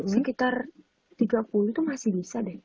sekitar tiga puluh itu masih bisa deh